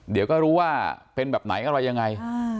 เดี๋ยวก็รู้ว่าเป็นแบบไหนอะไรยังไง